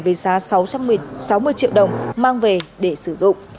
với giá sáu trăm sáu mươi triệu đồng mang về để sử dụng